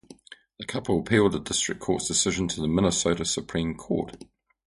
The couple appealed the district court's decision to the Minnesota Supreme Court.